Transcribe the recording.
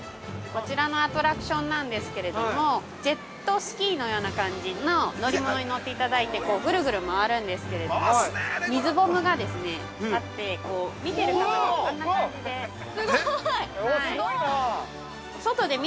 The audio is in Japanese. ◆こちらのアトラクションなんですけれども、ジェットスキーのような感じの乗り物に乗っていただいてぐるぐる回るんですけれども水ボムがあって見てる方が、あんな感じで。